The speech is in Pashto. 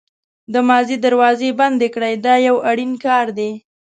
د ماضي دروازې بندې کړئ دا یو اړین کار دی.